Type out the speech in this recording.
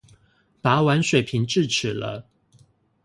拔完水平智齒了